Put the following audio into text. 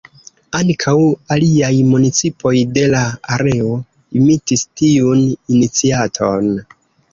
Ankaŭ aliaj municipoj de la areo imitis tiun iniciaton.